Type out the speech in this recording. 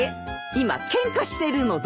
今ケンカしてるので！